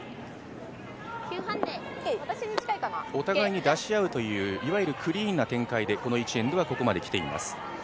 お互いに出し合うという、いわゆるクリーンな展開でこの１エンドはここまで来ています。